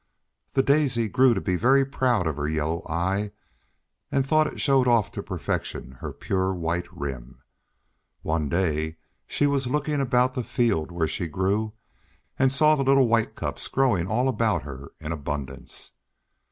The Daisy grew to be very proud of her yellow eye and thought it showed off to perfection her pure white rim. One day she was looking about the field where she grew and saw the little White Cups growing all about her in abundance.